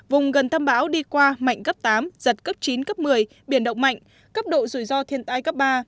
vùng gần tâm bão đi qua mạnh cấp tám giật cấp chín cấp một mươi biển động mạnh cấp độ rủi ro thiên tai cấp ba